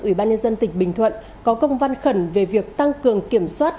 ủy ban nhân dân tỉnh bình thuận có công văn khẩn về việc tăng cường kiểm soát